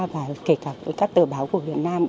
và kể cả các tờ báo của việt nam